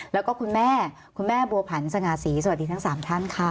แล้วก็คุณแม่คุณแม่บัวผันสง่าศรีสวัสดีทั้ง๓ท่านค่ะ